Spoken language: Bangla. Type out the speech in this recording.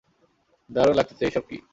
দারুণ লাগতেছে এইসব কী?